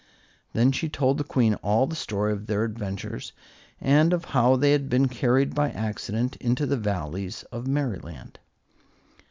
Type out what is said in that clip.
Then she told the Queen all the story of their adventures, and of how they had been carried by accident into the Valleys of Merryland.